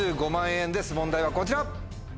問題はこちら。